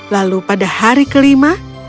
lalu pada hari kelima